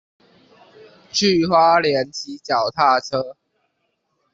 去花蓮騎腳踏車